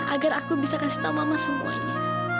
agar aku bisa kasih tahu mama semuanya